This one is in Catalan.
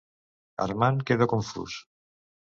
Armand queda confús.